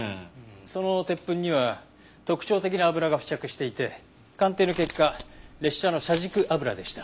その鉄粉には特徴的な油が付着していて鑑定の結果列車の車軸油でした。